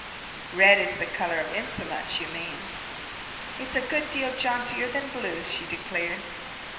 "Red is the color of insolence, you mean." "It's a good deal jauntier than blue," she declared.